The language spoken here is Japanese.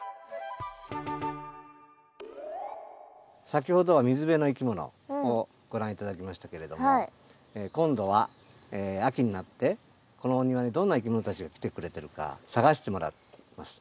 先ほどは水辺のいきものをご覧頂きましたけれども今度は秋になってこのお庭にどんないきものたちが来てくれてるか探してもらいます。